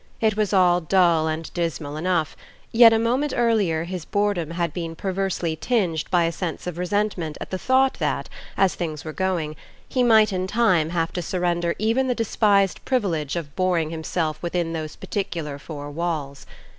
It was all dull and dismal enough, yet a moment earlier his boredom had been perversely tinged by a sense of resentment at the thought that, as things were going, he might in time have to surrender even the despised privilege of boring himself within those particular four walls.